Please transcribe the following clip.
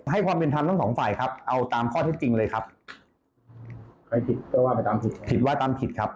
ให้ความเป็นธรรมทั้งสองฝ่ายครับเอาตามข้อเท็จจริงเลยครับ